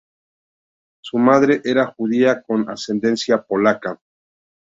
Su madre era judía con ascendencia polaca.